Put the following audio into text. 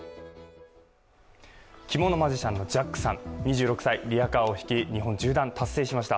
着物マジシャンのジャックさん２６歳、リヤカーを引き、日本縦断、達成しました。